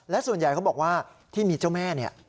และส่วนใหญ่เขาบอกว่าที่มีเจ้าแม่เนี่ย